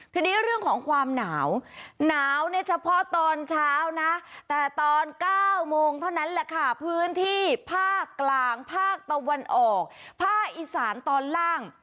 ทีนี้เรื่องของความหนาวหนาวเนี่ยเฉพาะตอนเช้านะแต่ตอน๙โมงเท่านั้นแหละค่ะพื้นที่ภาคกลางภาคตะวันออกภาคอีสานตอนล่าง